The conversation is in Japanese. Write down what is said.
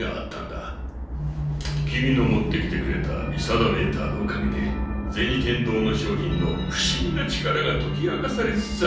君の持ってきてくれた見定メーターのおかげで銭天堂の商品の不思議な力が解き明かされつつある。